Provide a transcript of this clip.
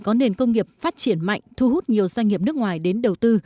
có nền công nghiệp phát triển mạnh thu hút nhiều doanh nghiệp nước ngoài đến đầu tư